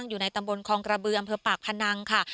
อยู่ในตำบลคองกระบืออำเภอปากพนังค่ะ